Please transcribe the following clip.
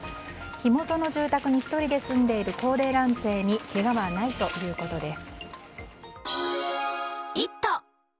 火元の住宅に１人で住んでいる高齢男性にけがはないということです。